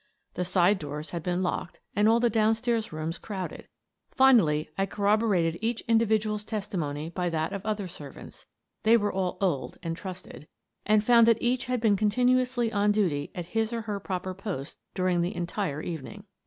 The side doors had been locked and all the down stairs rooms crowded. Finally, I corroborated each individual's testimony by that of other servants (they were all old and trusted) and found that each had been continuously on duty at his or her proper post during the entire evening.